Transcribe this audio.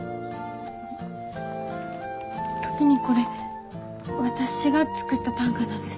時にこれ私が作った短歌なんです。